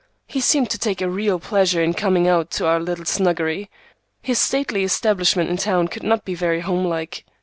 He seemed to take a real pleasure in coming out to our little snuggery. His stately establishment in town could not be very home like.